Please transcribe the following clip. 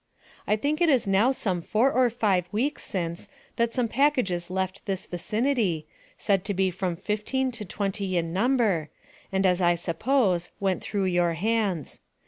I think it is now some four or five weeks since, that some packages left this vicinity, said to be from fifteen to twenty in number, and as I suppose, went through your hands.